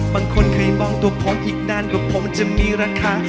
บางคนเคยมองตัวผมอีกนานกว่าผมจะมีราคา